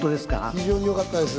非常によかったです。